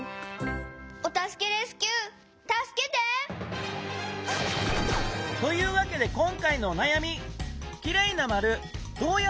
お助けレスキューたすけて！というわけで今回のおなやみ。